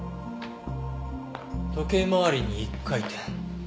時計回りに１回転。